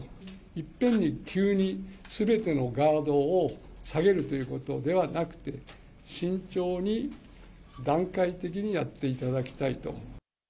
いっぺんに急に、すべてのガードを下げるということではなくて、慎重に段階的にやっていただきたいと。